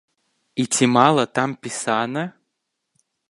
І ці мала там пісана?!